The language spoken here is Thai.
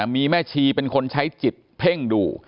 มีแม่ชีเป็นคนใช้จิตเพ่งดู